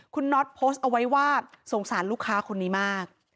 คุณน็อตโพสต์เอาไว้ว่าสงสารลูกค้าคนนี้มาก